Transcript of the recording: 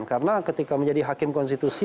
karena ketika menjadi hakim konstitusi